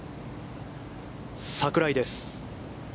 櫻井です。